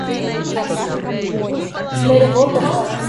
Да ты о ком говоришь?